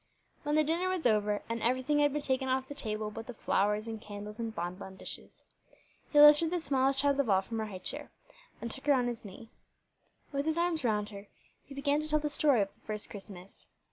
When the dinner was over, and everything had been taken off the table but the flowers and candles and bonbon dishes, he lifted the smallest child of all from her high chair, and took her on his knee. With his arms around her, he began to tell the story of the first Christmas.